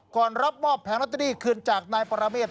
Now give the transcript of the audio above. ก่อนรับมอบแผงร็อตเตอรี่คืนจากนายปาราเมตร